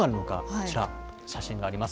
こちら、写真があります。